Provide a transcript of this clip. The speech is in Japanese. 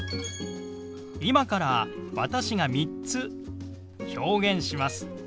今から私が３つ表現します。